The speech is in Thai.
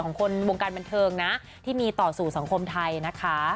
ของคนวงการบันเทิงนะที่มีต่อสู่สังคมไทยนะคะ